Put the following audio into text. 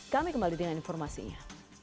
kami kembali dengan informasinya